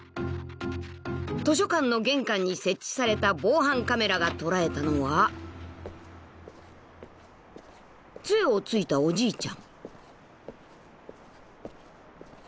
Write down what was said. ［図書館の玄関に設置された防犯カメラが捉えたのはつえを突いたおじいちゃん］